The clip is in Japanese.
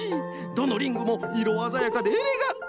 どのリングもいろあざやかでエレガント。